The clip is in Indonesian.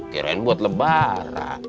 kirain buat lebaran